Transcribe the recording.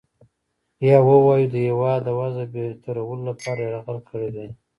یا ووایو د هیواد د وضع بهترولو لپاره یرغل کړی دی.